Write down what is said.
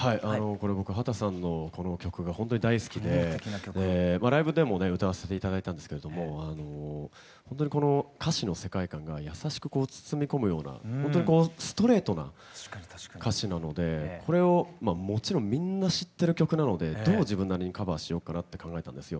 これ僕秦さんのこの曲がほんとに大好きでライブでもね歌わせて頂いたんですけれどもあのほんとにこの歌詞の世界観が優しく包み込むようなほんとにこうストレートな歌詞なのでこれをまあもちろんみんな知ってる曲なのでどう自分なりにカバーしようかなって考えたんですよ。